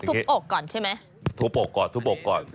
บอกก่อนใช่ไหมทุบอกก่อนทุบอกก่อน